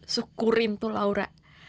sukurin tuh laura